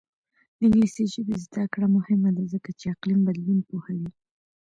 د انګلیسي ژبې زده کړه مهمه ده ځکه چې اقلیم بدلون پوهوي.